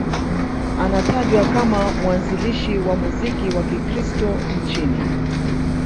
Anatajwa kama mwanzilishi wa muziki wa Kikristo nchini.